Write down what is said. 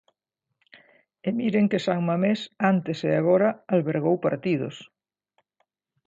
E miren que San Mamés, antes e agora, albergou partidos.